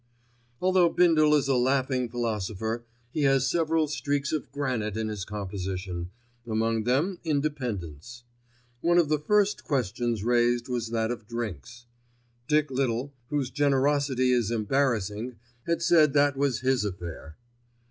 Although Bindle is a laughing philosopher, he has several streaks of granite in his composition: among them independence. One of the first questions raised was that of drinks. Dick Little, whose generosity is embarrassing, had said that was his affair.